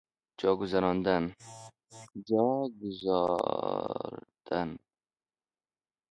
جا گذاردن